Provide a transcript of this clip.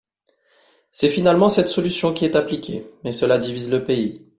C'est finalement cette solution qui est appliquée, mais cela divise le pays.